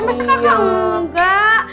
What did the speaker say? masa kakak enggak